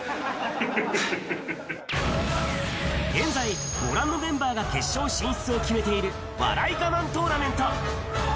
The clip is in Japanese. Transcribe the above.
現在、ご覧のメンバーが決勝進出を決めている、笑いガマントーナメント。